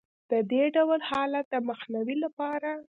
د دې ډول حالت د مخنیوي لپاره